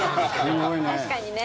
確かにね。